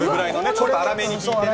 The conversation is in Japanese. ちょっと粗めにひいてね。